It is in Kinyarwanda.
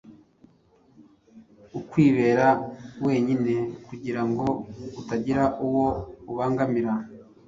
Ukwibera wenyine kugira ngo atagira uwo abangamira.